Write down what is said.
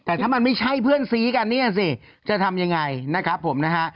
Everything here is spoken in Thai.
แต่ถ้ามันไม่ใช่เพื่อนซีกันเนี่ยสิจะทำยังไงนะครับผมนะฮะ